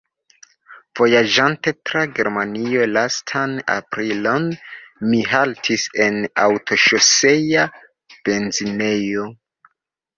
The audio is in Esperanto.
Vojaĝante tra Germanio lastan aprilon, mi haltis en aŭtoŝosea benzinejo.